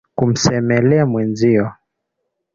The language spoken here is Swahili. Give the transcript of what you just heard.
Kumsemele mwezio